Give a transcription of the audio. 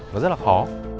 nó rất là khó